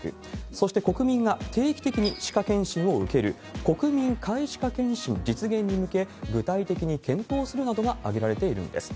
そして、国民が定期的に歯科検診を受ける、国民皆歯科検診実現に向け、具体的に検討するなどが挙げられているんです。